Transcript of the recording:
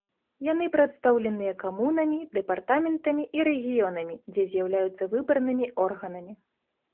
Яны прадстаўленыя камунамі, дэпартаментамі і рэгіёнамі, дзе з'яўляюцца выбранымі органамі.